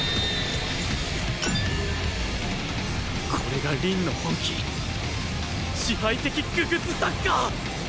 これが凛の本気支配的傀儡サッカー！